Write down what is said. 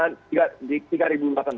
itu yang diberikan